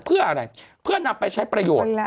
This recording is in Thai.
เพื่ออะไรเพื่อนำไปใช้ประโยชน์